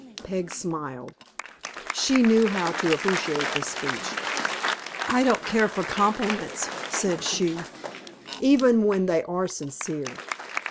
Peg smiled. She knew how to appreciate this speech. "I don't care for compliments," said she, "even when they are sincere.